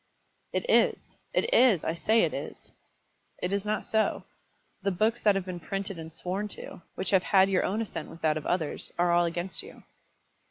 "It is it is; I say it is." "It is not so. The books that have been printed and sworn to, which have had your own assent with that of others, are all against you."